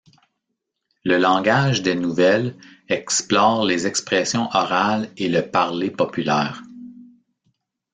Le langage des nouvelles explore les expressions orales et le parler populaires.